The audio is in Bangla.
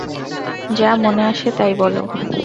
যা মনে আসে তা-ই বল।